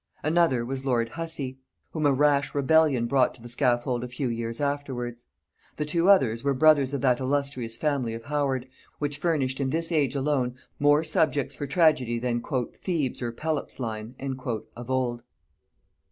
Another was lord Hussey; whom a rash rebellion brought to the scaffold a few years afterwards. The two others were brothers of that illustrious family of Howard, which furnished in this age alone more subjects for tragedy than "Thebes or Pelops' line" of old.